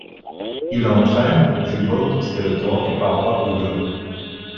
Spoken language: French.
Il y entraîne jubolt, skeletor et parfois Hugo.